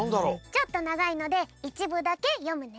ちょっとながいのでいちぶだけよむね。